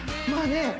まあね